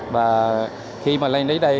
và khi mà lên đến đây